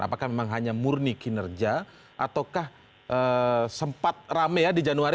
apakah memang hanya murni kinerja ataukah sempat rame ya di januari